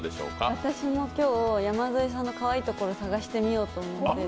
私も今日、山添さんのかわいいところを探してみようと思います。